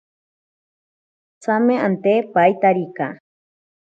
Tsame ante paitarika.